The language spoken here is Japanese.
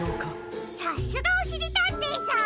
さすがおしりたんていさん！